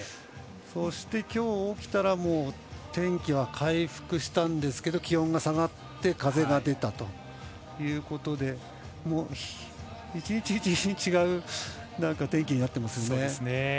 そして、きょう起きたら天気は回復したんですけど気温が下がって風が出たということで一日一日違う天気になってますよね。